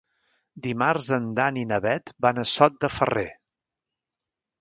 Dimarts en Dan i na Bet van a Sot de Ferrer.